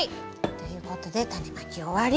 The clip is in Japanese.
ということでタネまき終わり。